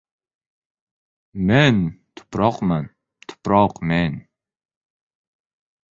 • Men — tuproqman, tuproq — men.